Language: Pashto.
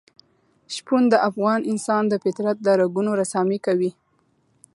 شپون د افغان انسان د فطرت د رنګونو رسامي کوي.